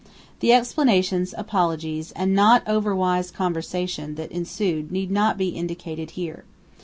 The explanations, apologies, and not overwise conversation that ensued need not be indicated here.